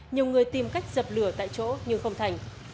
nhiều người tìm cách dập lửa tại chỗ nhưng không thành